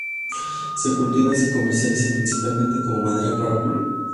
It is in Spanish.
Se cultiva y se comercializa principalmente como madera para pulpa.